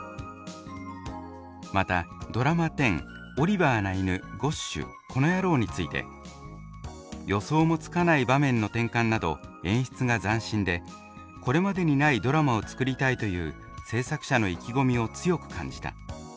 また「ドラマ１０オリバーな犬、このヤロウ」について「予想もつかない場面の転換など演出が斬新でこれまでにないドラマを作りたいという制作者の意気込みを強く感じた」